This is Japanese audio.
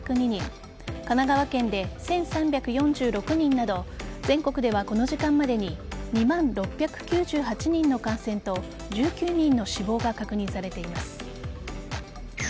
神奈川県で１３４６人など全国では、この時間までに２万６９８人の感染と１９人の死亡が確認されています。